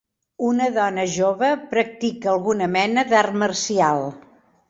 Una dona jove practica alguna mena d'art marcial.